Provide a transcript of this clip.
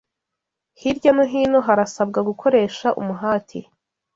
hirya no hino, harasabwa gukoresha umuhati